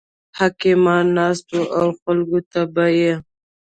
حکیمان ناست وو او خلکو ته به یې